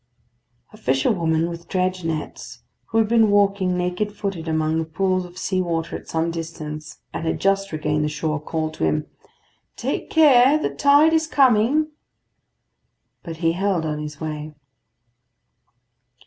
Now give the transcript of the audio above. A fisherwoman with dredge nets, who had been walking naked footed among the pools of sea water at some distance, and had just regained the shore, called to him, "Take care; the tide is coming." But he held on his way.